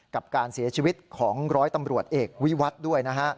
กับการเสียชีวิตของร้อยตำรวจเอกวิวัตรด้วยนะฮะ